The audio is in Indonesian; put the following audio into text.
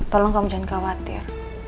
tolong kamu jangan khawatir